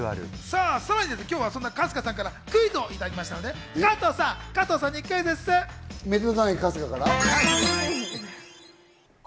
さらに今日はそんな春日さんからクイズをいただきましたので、加藤さんにクイズッス！